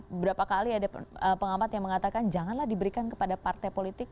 beberapa kali ada pengamat yang mengatakan janganlah diberikan kepada partai politik